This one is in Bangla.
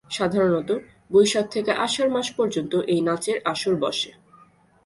সাধারণতঃ বৈশাখ থেকে আষাঢ় মাস পর্যন্ত এই নাচের আসর বসে।